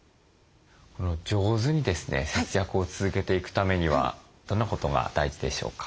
上手にですね節約を続けていくためにはどんなことが大事でしょうか？